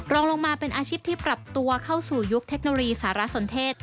รองลงมาเป็นอาชีพที่ปรับตัวเข้าสู่ยุคเทคโนโลยีสารสนเทศ